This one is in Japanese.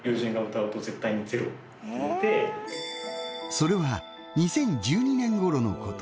それは２０１２年ごろのこと。